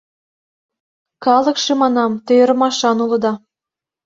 Калыкше, манам, те ӧрмашан улыда.